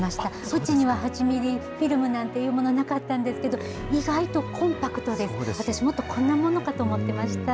うちには８ミリフィルムなんていうもの、なかったんですけど、意外とコンパクトで、私、もっとこんなものかと思ってました。